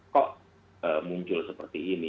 kok muncul seperti ini